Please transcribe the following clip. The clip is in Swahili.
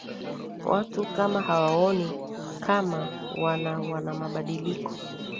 watu kama hawaoni kama wana wana mabadiliko